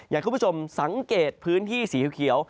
คุณผู้ชมสังเกตพื้นที่สีเขียว